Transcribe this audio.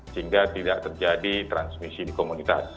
sehingga tidak terjadi transmisi di komunitas